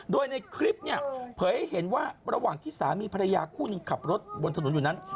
โดยในคลิปเนี่ยเผยให้เห็นว่าระหว่างที่สามีภรรยาคู่หนึ่งขับรถบนถนนอยู่นั้น